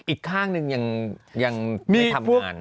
อีกข้างหนึ่งนี่แม่งอย่างไม่ทำงาน